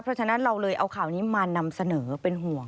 เพราะฉะนั้นเราเลยเอาข่าวนี้มานำเสนอเป็นห่วง